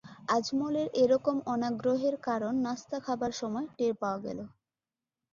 আজমলের এ রকম অনগ্রহের কারণ নাশতা খাবার সময় টের পাওয়া গেল।